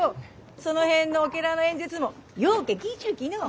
その辺のオケラの演説もようけ聞いちゅうきのう。